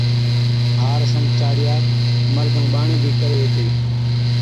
ھا رسم چاڙِيا، مرد ائُون ٻاڙين بِي ڪري ھِتين